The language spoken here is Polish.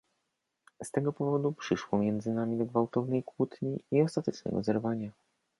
"Z tego powodu przyszło między nami do gwałtownej kłótni i ostatecznego zerwania."